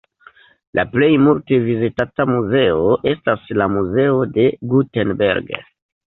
La plej multe vizitata muzeo estas la Muzeo de Gutenberg.